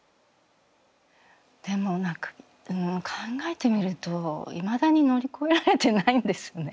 でも考えてみるといまだに乗り越えられてないんですね。